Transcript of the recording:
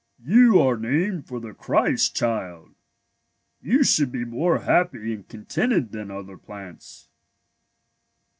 You are named for the Christ Child. You should be more happy and contented than other plants.